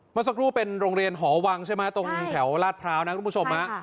เมื่อสักครู่เป็นโรงเรียนหอวังใช่ไหมตรงแถวลาดพร้าวนะคุณผู้ชม